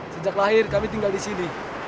sejak lahir kami tinggal disini